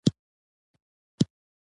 یارانو ! ښوونه ښه ده که روزنه؟!